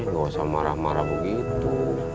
gak usah marah marah begitu